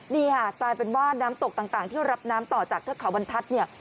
นี่ค่ะกลายเป็นว่าน้ำตกต่างที่รับน้ำต่อจากเทือกเขาบรรทัศน์เนี่ย